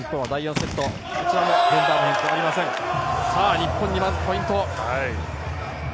日本にまずポイント。